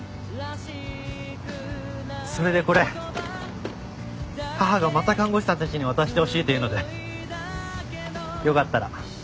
それでこれ母がまた看護師さんたちに渡してほしいというのでよかったら。